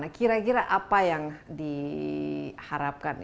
nah kira kira apa yang diharapkan